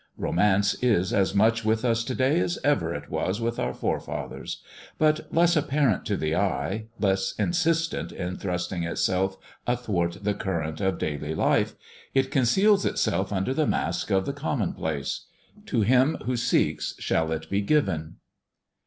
Romance is as much with us to day as ever it was with our forefathers ; but less apparent to the eye, less insistent in thrusting itself athwart the current of daily life, it conceals itself under the mask of the commonplace. To him who seeks shall it be given.